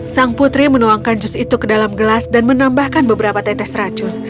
sang putri menuangkan jus itu ke dalam gelas dan menambahkan beberapa tetes racun